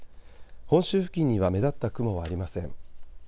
本州付近には目立った雲はありません。